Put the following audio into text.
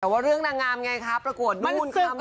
แต่ว่าเรื่องนางงามไงครับประกวดดูนความโลก